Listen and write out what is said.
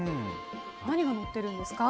何がのってるんですか？